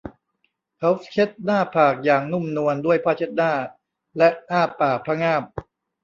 เขาเช็ดหน้าผากอย่างนุ่มนวลด้วยผ้าเช็ดหน้าและอ้าปากพะงาบ